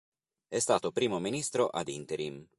È stato primo ministro ad interim.